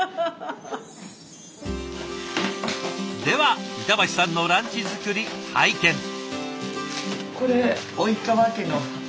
では板橋さんのランチ作り拝見。